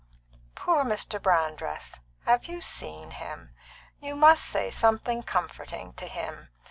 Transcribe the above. Poor Mr. Brandreth! Have you seen him? You must say something comforting to him.